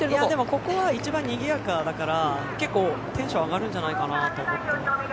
ここは一番賑やかだから結構、テンション上がるんじゃないかなと思って。